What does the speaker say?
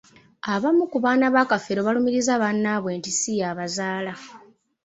Abamu ku baana ba Kafeero balumiriza bannaabwe nti siyabazaala.